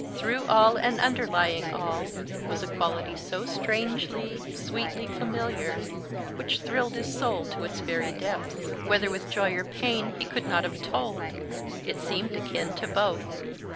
Through all and underlying all was a quality so strangely, sweetly familiar, which thrilled his soul to its very depths, whether with joy or pain he could not have told; it seemed akin to both.